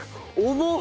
重っ！